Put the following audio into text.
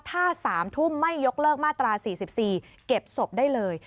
ถ้า๓ทุ่มไม่ยกเลิกมาตรา๔๔เก็บศพได้เลย